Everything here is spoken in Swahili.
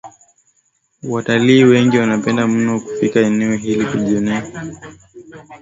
watalii wengi wanapenda mno kufika eneo hili kujionea